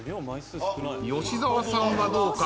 吉沢さんはどうか？